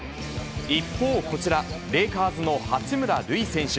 一方、こちら、レイカーズの八村塁選手。